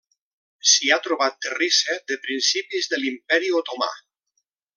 S'hi ha trobat terrissa de principis de l'Imperi Otomà.